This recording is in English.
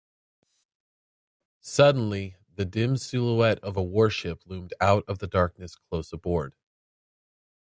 Suddenly, the dim silhouette of a warship loomed out of the darkness close aboard.